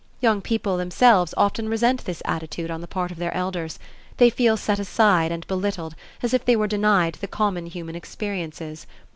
Young people themselves often resent this attitude on the part of their elders; they feel set aside and belittled as if they were denied the common human experiences.